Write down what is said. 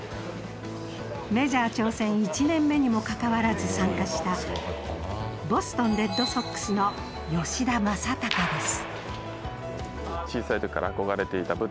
メジャー挑戦１年目にもかかわらず参加したボストン・レッドソックスの吉田正尚です。